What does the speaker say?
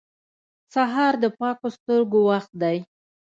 سهار د پاکو سترګو وخت دی.